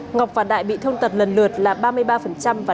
ngọc và đại bị thông tật lần lượt là ba mươi ba và năm mươi